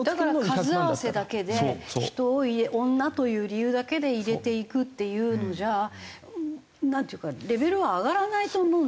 だから数合わせだけで人を女という理由だけで入れていくっていうのじゃなんていうかレベルは上がらないと思うんですよ。